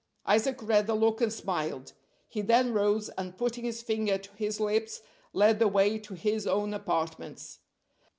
Isaac read the look and smiled. He then rose, and, putting his finger to his lips, led the way to his own apartments.